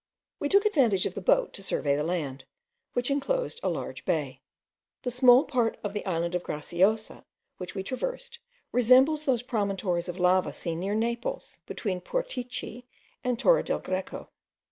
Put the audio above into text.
We took advantage of the boat to survey the land, which enclosed a large bay. The small part of the island of Graciosa which we traversed, resembles those promontories of lava seen near Naples, between Portici and Torre del Greco.